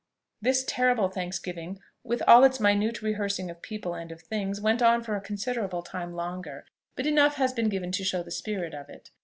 This terrible thanksgiving, with all its minute rehearsing of people and of things, went on for a considerable time longer; but enough has been given to show the spirit of it.